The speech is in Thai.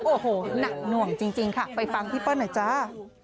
โอ้โหหนักหน่วงจริงค่ะไปฟังพี่เปิ้ลหน่อยจ้า